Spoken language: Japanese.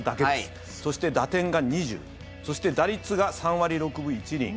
そして打点が２０そして打率が３割６分１厘。